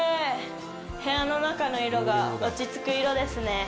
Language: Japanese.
部屋の中の色が落ちつく色ですね。